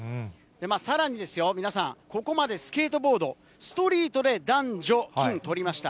さらにですよ、皆さん、ここまでスケートボード、ストリートで男女金とりました。